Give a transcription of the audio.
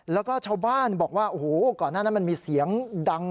แล้วก็ชาวบ้านบอกว่าโอ้โหก่อนหน้านั้นมันมีเสียงดัง